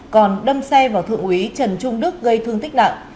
còn đâm xe vào thượng úy trần trung đức gây thương tích nặng